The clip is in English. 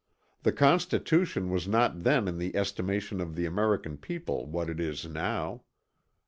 The Constitution was not then in the estimation of the American people what it is now.